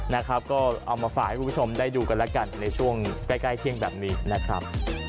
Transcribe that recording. นะครับก็เอามาฝากให้คุณผู้ชมได้ดูกันแล้วกันในช่วงใกล้เที่ยงแบบนี้นะครับ